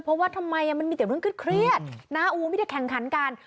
เพราะว่าทำไมอ่ะมันมีเตี๋ยวเรื่องเครียดเครียดนะอุ้ยไม่ได้แข่งคันกัน